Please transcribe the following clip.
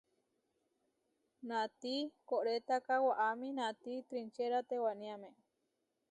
Naati koʼrétaka waʼámi naáti trinčéra tewániame.